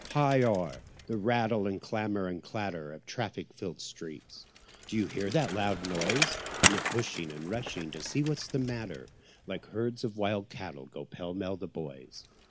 high o'er the rattle and clamour and clatter Of traffic filled streets, do you hear that loud noise? And pushing and rushing to see what's the matter, Like herds of wild cattle, go pell mell the boys.